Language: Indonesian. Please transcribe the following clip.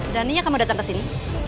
daninya kamu datang kesini